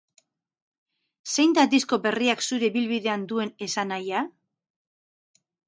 Zein da disko berriak zure ibilbidean duen esanahia?